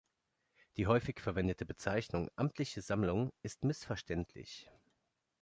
Die häufig verwendete Bezeichnung ‚amtliche Sammlung‘ ist missverständlich.